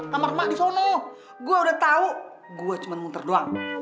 kamar emak di sono gua udah tau gua cuma munter doang